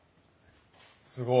すごい。